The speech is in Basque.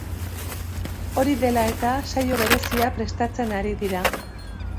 Hori dela eta, saio berezia prestatzen ari dira.